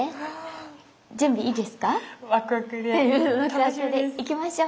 準備いいですか？